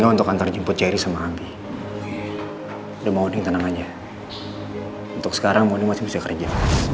gak untuk antar jemput ceri sama ambil mau dingin aja untuk sekarang masih kerja